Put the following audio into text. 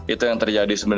itu yang terjadi sebenarnya